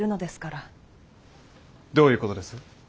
どういうことです？